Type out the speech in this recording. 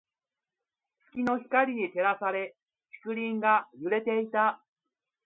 月の光に照らされ、竹林が揺れていた。